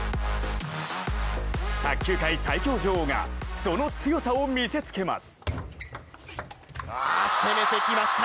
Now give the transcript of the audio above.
卓球界最強女王がその強さを見せつけます。